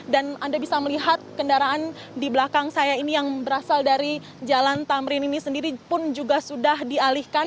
dan anda bisa melihat kendaraan di belakang saya ini yang berasal dari jalan tamrin ini sendiri pun juga sudah dialihkan